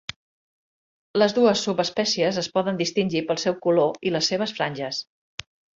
Les dues subespècies es poden distingir pel seu color i les seves franges.